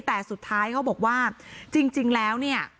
แต่สุดท้ายเขาบอกว่าจริงแล้วเนี่ย